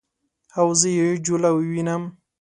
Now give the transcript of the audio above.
او زه یې جوله ووینم